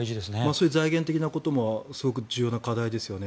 そういう財源的なこともすごく重要な課題ですよね。